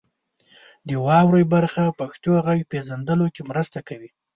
د واورئ برخه پښتو غږ پیژندلو کې مرسته کوي.